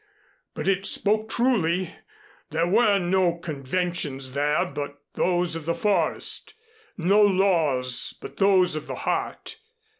But it spoke truly. There were no conventions there but those of the forest, no laws but those of the heart.